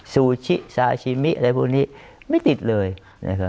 ซูชิซาชิมิอะไรพวกนี้ไม่ติดเลยนะครับ